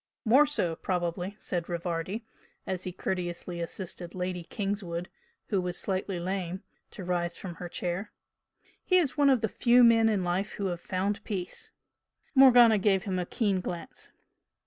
"More so, probably!" said Rivardi, as he courteously assisted Lady Kingswood, who was slightly lame, to rise from her chair "He is one of the few men who in life have found peace." Morgana gave him a keen glance.